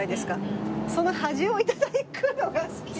その端を頂くのが好きで。